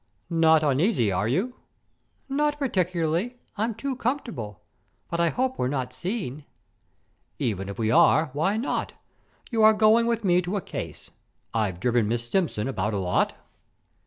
"Not uneasy, are you?" "Not particularly. I'm too comfortable. But I hope we're not seen." "Even if we are, why not? You are going with me to a case. I've driven Miss Simpson about a lot."